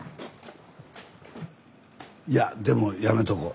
いやでもやめとこう。